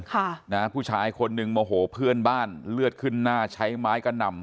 ค่ะนะผู้ชายคนหนึ่งโมโหเพื่อนบ้านเลือดขึ้นหน้าใช้ไม้กระหน่ำ